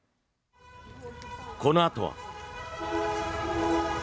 このあとは。